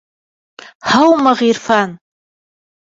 Һаумы, Ғирфан!